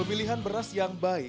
pemilihan beras yang baik